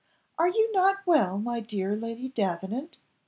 "Are not you well, my dear Lady Davenant?"